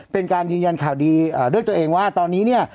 เป็นการยืนยันข่าวดีด้วยตัวเองว่าตอนนี้เนี่ย